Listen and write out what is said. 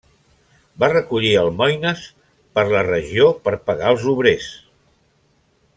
Va recollir almoines per la regió per pagar els obrers.